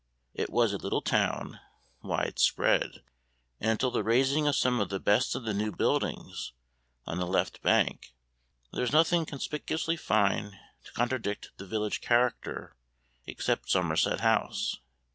It was a little town, widespread; and until the raising of some of the best of the new buildings on the left bank, there was nothing conspicuously fine to contradict the village character except Somerset House.